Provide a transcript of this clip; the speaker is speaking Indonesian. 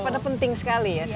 pada penting sekali ya